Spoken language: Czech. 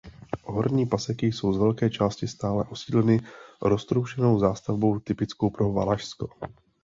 Horní Paseky jsou z velké části stále osídleny roztroušenou zástavbou typickou pro Valašsko.